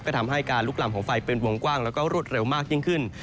ก็ทำให้การลุกลำของไฟเป็นวงกว้างแล้วก็รวดเร็วมากยิ่งขึ้น